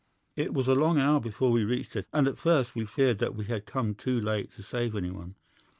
"'It was a long hour before we reached it, and at first we feared that we had come too late to save any one.